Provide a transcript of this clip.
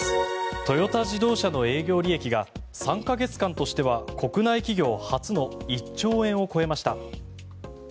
トヨタ自動車の営業利益が３か月間としては国内企業初の１兆円を超えました。